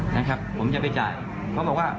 นะครับผมจะไปจ่ายเขาบอกว่า